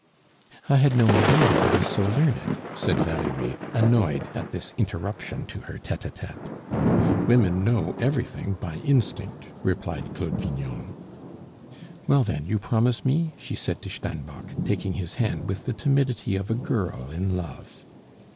"I had no idea I was so learned," said Valerie, annoyed at this interruption to her tete a tete. "Women know everything by instinct," replied Claude Vignon. "Well, then, you promise me?" she said to Steinbock, taking his hand with the timidity of a girl in love.